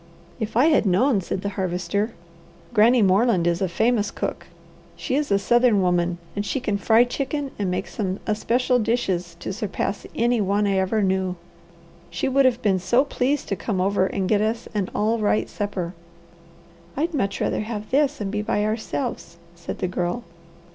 "If I had known," said the Harvester, "Granny Moreland is a famous cook. She is a Southern woman, and she can fry chicken and make some especial dishes to surpass any one I ever knew. She would have been so pleased to come over and get us an all right supper." "I'd much rather have this, and be by ourselves," said the Girl.